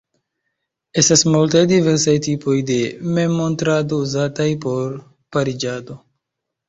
Estas multaj diversaj tipoj de memmontrado uzataj por pariĝado.